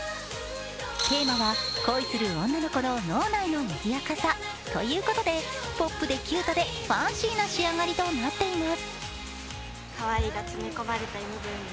テーマは「恋する女の子の脳内のにぎやかさ」ということで、ポップでキュートでファンシーな仕上がりとなっています。